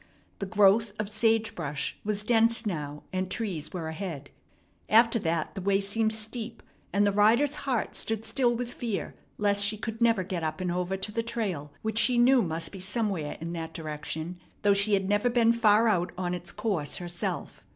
The growth of sage brush was dense now, and trees were ahead. After that the way seemed steep, and the rider's heart stood still with fear lest she could never get up and over to the trail which she knew must be somewhere in that direction, though she had never been far out on its course herself.